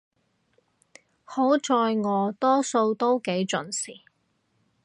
好在我多數都幾準時